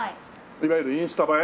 いわゆるインスタ映え？